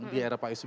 di era pak arb